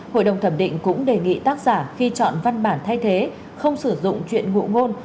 hội đồng thẩm định cũng đề nghị tác giả khi chọn văn bản thay thế không sử dụng chuyện ngụ ngôn